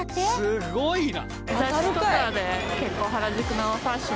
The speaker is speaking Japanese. すごいな。